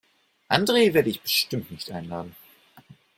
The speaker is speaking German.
Andre werde ich bestimmt nicht einladen.